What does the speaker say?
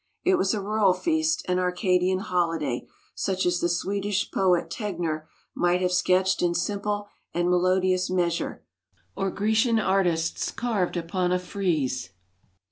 It was a rural feast, an Arcadian holiday, such as the Swedish poet Tegner might have sketched in simple and melodious measure, or Grecian artists carved upon a frieze.